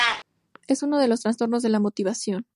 Es uno de los trastornos de la motivación.